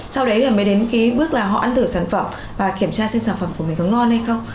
sau đấy mới đến bước là họ ăn thử sản phẩm và kiểm tra xem sản phẩm của mình có ngon hay không